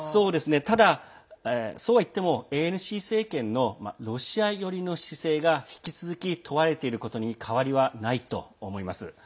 ただ、そうはいってもＡＮＣ政権のロシア寄りの姿勢が引き続き問われていることに変わりはないと思います。